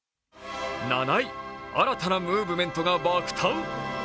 新たなムーブメントが爆弾。